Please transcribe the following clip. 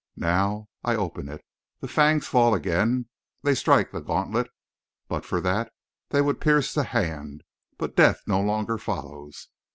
Now I open it. The fangs fall again; they strike the gauntlet; but for that, they would pierce the hand, but death no longer follows.